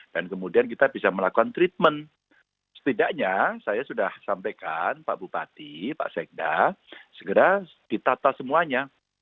dan kemudian kita bisa melakukan treatment setidaknya saya sudah sampaikan pak bupati pak sekja segera ditata semuanya